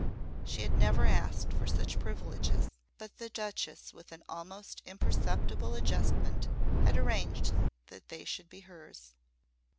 She had never asked for such privileges, but the Duchess with an almost imperceptible adjustment had arranged that they should be hers.